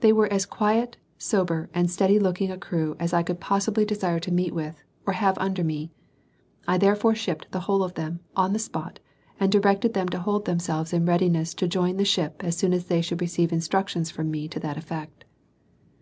They were as quiet, sober, and steady looking a crew as I could possibly desire to meet with, or have under me; I therefore shipped the whole of them, on the spot, and directed them to hold themselves in readiness to join the ship as soon as they should receive instructions from me to that effect.